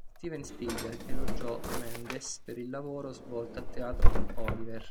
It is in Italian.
Steven Spielberg elogiò Mendes per il lavoro svolto a teatro con "Oliver!